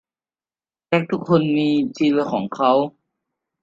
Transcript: แจ็คทุกคนมีจิลของเขา